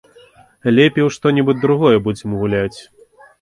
Лепей у што-небудзь другое будзем гуляць.